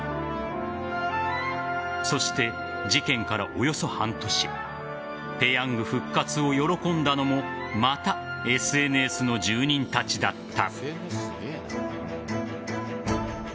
そして、事件からおよそ半年ペヤング復活を喜んだのもまたＳＮＳの住人たちだった。